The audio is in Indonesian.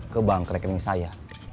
ke bank rekening saya